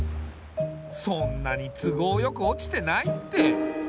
そんなに都合よく落ちてないって。